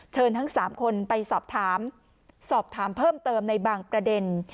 ทั้ง๓คนไปสอบถามสอบถามเพิ่มเติมในบางประเด็น